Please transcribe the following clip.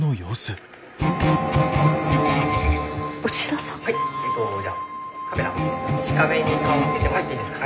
「はいじゃあカメラ１カメに顔向けてもらっていいですか？」。